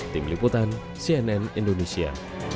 tim liputan cnn indonesia